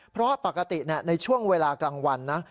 เพราะปกติในช่วงเวลากลางวันนะ